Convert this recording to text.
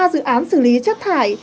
ba dự án xử lý chất thải